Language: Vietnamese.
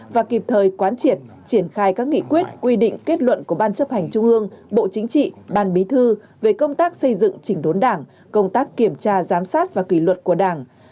và kịp thời quán triệt triển khai các nghị quyết quy định kết luận của ban chấp hành trung ương bộ chính trị ban bí thư về công tác xây dựng chỉnh đốn đảng công tác kiểm tra giám sát và kỷ luật của đảng